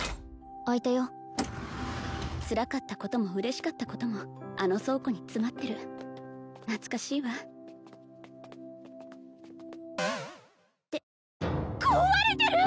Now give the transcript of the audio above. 開いたよつらかったことも嬉しかったこともあの倉庫に詰まってる懐かしいわって壊れてる！？